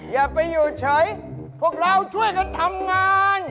อย่าไปอยู่เฉยพวกเราช่วยกันทำงาน